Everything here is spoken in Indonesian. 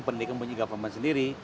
pendidikan punya government sendiri